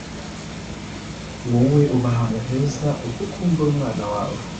wowe uba ahantu heza uko ukumbura umwana wawe,